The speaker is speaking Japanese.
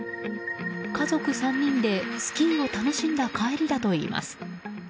家族３人で、スキーを楽しんだ帰りだといいます。